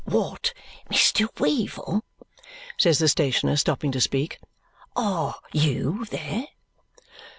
"What, Mr. Weevle?" says the stationer, stopping to speak. "Are YOU there?"